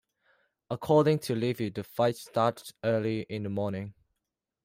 According to Livy, the fight started early in the morning.